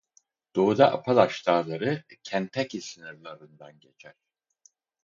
Doğuda Apalaş Dağları Kentucky sınırlarından geçer.